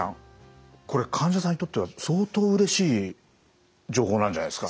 これ患者さんにとっては相当うれしい情報なんじゃないですか？